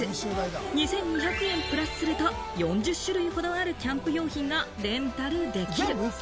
２２００円プラスすると４０種類ほどあるキャンプ用品がレンタルできる。